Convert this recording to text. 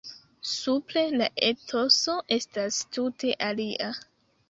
Supre la etoso estas tute alia.